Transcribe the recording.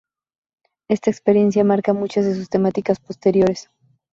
Esta experiencia marca muchas de sus temáticas posteriores.